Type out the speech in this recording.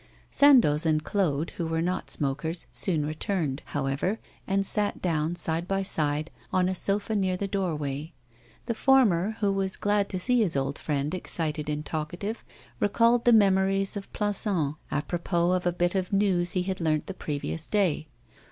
Sandoz and Claude, who were not smokers, soon returned, however, and sat down, side by side, on a sofa near the doorway. The former, who was glad to see his old friend excited and talkative, recalled the memories of Plassans apropos of a bit of news he had learnt the previous day.